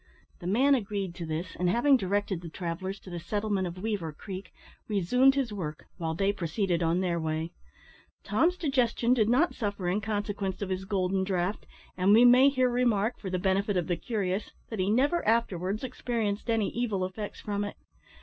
The man agreed to this, and having directed the travellers to the settlement of Weaver Creek, resumed his work, while they proceeded on their way. Tom's digestion did not suffer in consequence of his golden draught, and we may here remark, for the benefit of the curious, that he never afterwards experienced any evil effects from it.